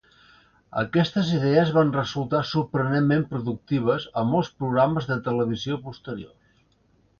Aquestes idees van resultar sorprenentment productives en molts programes de televisió posteriors.